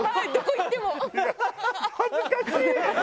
いや恥ずかしい。